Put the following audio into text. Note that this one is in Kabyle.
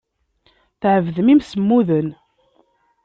Tɛebded imsemmuden.